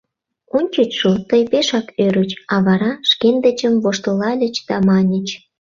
Ончычшо тый пешак ӧрыч, а вара шкендычым воштылальыч да маньыч: